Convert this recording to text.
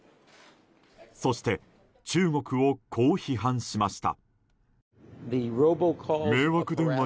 そして中国をこう批判しました。